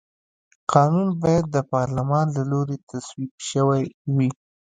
قانون باید د پارلمان له لوري تصویب شوی وي.